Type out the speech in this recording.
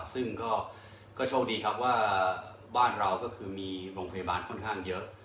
ซึ่งก็โชคดีครับว่าบ้านเราก็คือมีโรงพยาบาลค่อนข้างเยอะ